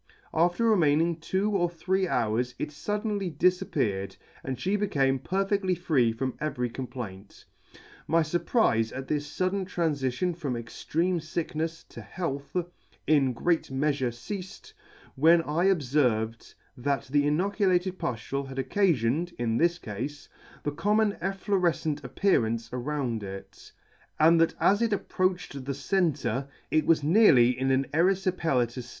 After remaining two or three hours it fuddenly difappeared, and fhe became perfedly free from every complaint. My furprife at this fudden tranfition from extreme ficknefs to health, in great meafure ceafed, when I obferved that the inoculated puftule had occafioned, in this cafe, the common efflorefcent appearance around it, and that as it approached the centre, it was nearly in an eryfipelatous * 1 witnefled a fimilar fa& in a cafe of Meafles t.